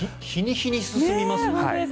日に日に進みますね。